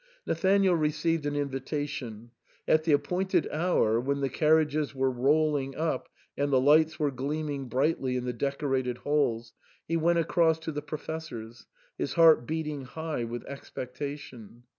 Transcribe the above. Nathanael received an invitation. At the appointed hour, when the carriages were rolling up and the lights were gleaming brightly in the decorated Halls, he went across to the Professor's, his heart beating high with expectation.